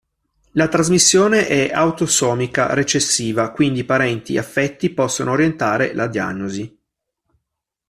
La trasmissione è autosomica recessiva quindi parenti affetti possono orientare la diagnosi.